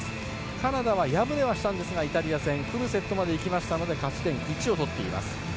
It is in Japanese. カナダはイタリア戦敗れはしたんですがフルセットまでいったので勝ち点１を取っています。